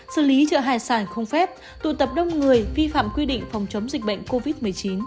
xử lý trợ hải sản không phép tụ tập đông người vi phạm quy định phòng chống dịch bệnh covid một mươi chín